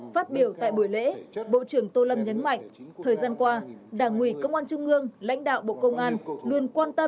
phát biểu tại buổi lễ bộ trưởng tô lâm nhấn nhớ